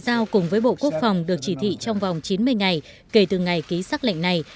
giao cùng với bộ quốc phòng được chỉ thị trong vòng chín mươi ngày kể từ ngày ký xác lệnh này